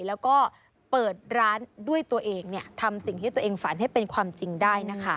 แล้วก็เปิดร้านด้วยตัวเองทำสิ่งที่ตัวเองฝันให้เป็นความจริงได้นะคะ